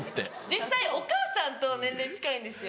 実際お母さんと年齢近いんですよ。